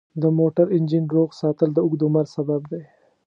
د موټر انجن روغ ساتل د اوږد عمر سبب دی.